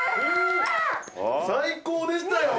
最高でしたよ。